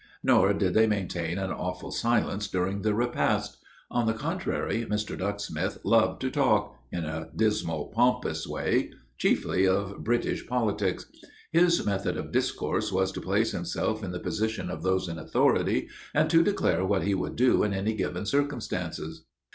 Nor did they maintain an awful silence during the repast. On the contrary, Mr. Ducksmith loved to talk in a dismal, pompous way chiefly of British politics. His method of discourse was to place himself in the position of those in authority and to declare what he would do in any given circumstances.